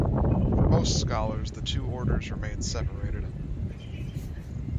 For most scholars, the two orders remain separated.